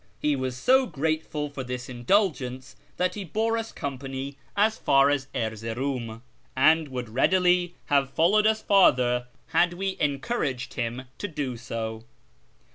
He was so grateful for this indulgence that he bore us company as far as Erzeroum, and would readily have followed us farther had we encouraged him to do so.